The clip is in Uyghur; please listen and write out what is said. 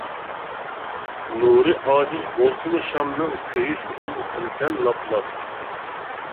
نۇرى ئاجىز بولسىمۇ شامنىڭ، كۈيۈش ئۈچۈن قىلىسەن لاپ-لاپ.